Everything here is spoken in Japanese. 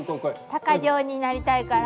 鷹匠になりたいから。